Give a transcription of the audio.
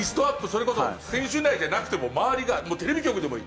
それこそ選手内でなくても周りがもうテレビ局でもいい。